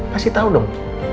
pasti tau dong